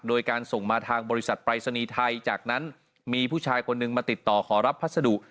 โดยการส่งมาทางบริษัทปรายศนีย์ไทยจากนั้นมีผู้ชายคนหนึ่งมาติดต่อขอรับพัสดุ